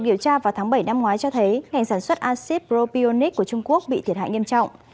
điện phát triển quốc gia ấn độ cho thấy ngành sản xuất acid propionic của trung quốc bị thiệt hại nghiêm trọng